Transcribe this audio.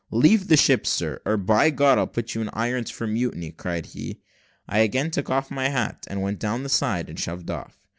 "Leave the ship, sir, or by God I'll put you in irons for mutiny," cried he. I again took off my hat, and went down the side, and shoved off.